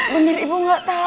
bener ibu gak tahu